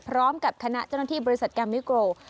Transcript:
พร้อมกับคณะเจ้าหน้าที่บริษัทแกมมิโก